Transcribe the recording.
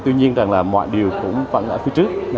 tuy nhiên rằng là mọi điều cũng vẫn ở phía trước